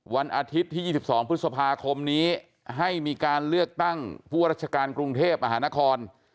วันอาทิตย์ที่๒๒พฤษภาคมนี้ให้มีการเลือกตั้งผู้ราชการกรุงเทพมหานคร